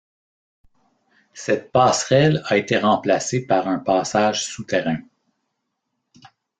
Cette passerelle a été remplacée par un passage souterrain.